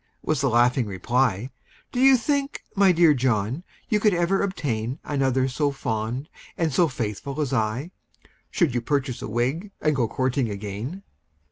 was the laughing reply; "Do you think, my dear John, you could ever obtain Another so fond and so faithful as I, Should you purchase a wig, and go courting again?"